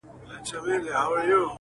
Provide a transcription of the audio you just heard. بوی د اصیل ګلاب په کار دی!!